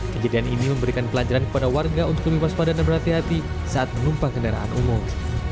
kejadian ini memberikan pelajaran kepada warga untuk lebih waspada dan berhati hati saat menumpah kendaraan umum